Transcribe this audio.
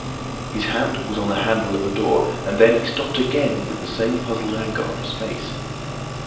"His hand was on the handle of a door, and then he stopped again with the same puzzled anger on his face.